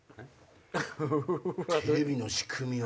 テレビの仕組みを！